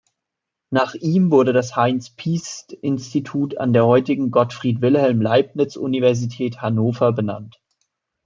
Nach ihm wurde das Heinz-Piest-Institut an der heutigen Gottfried Wilhelm Leibniz Universität Hannover benannt.